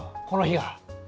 この日が。